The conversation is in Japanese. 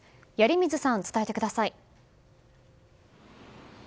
鑓水さん、伝えてください。